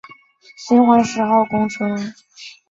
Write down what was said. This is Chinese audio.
循环十号公车